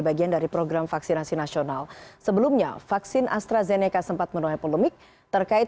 bagian dari program vaksinasi nasional sebelumnya vaksin astrazeneca sempat menuai polemik terkait